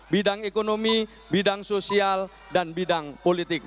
bidang ekonomi bidang sosial dan bidang politik